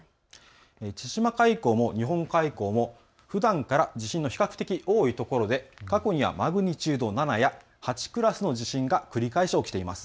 千島海溝も日本海溝もふだんから地震の比較的多いところで過去にはマグニチュード７や８クラスの地震が繰り返し起きています。